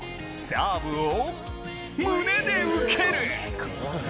サーブを胸で受ける！